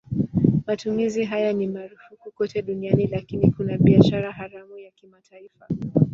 Matumizi haya ni marufuku kote duniani lakini kuna biashara haramu ya kimataifa.